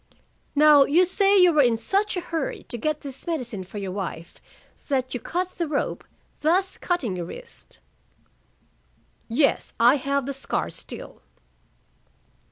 "Now, you say you were in such a hurry to get this medicine for your wife that you cut the rope, thus cutting your wrist." "Yes. I have the scar still."